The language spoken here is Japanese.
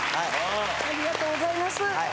ありがとうございます。